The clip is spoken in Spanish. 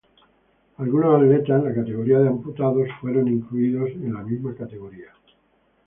Algunos atletas en la categoría de amputados fueron incluidos en la misma categoría.